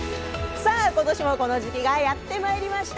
さあことしもこの時期がやってまいりました。